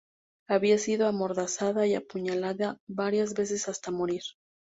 Había sido amordazada y apuñalada varias veces hasta morir.